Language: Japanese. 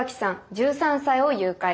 １３歳を誘拐。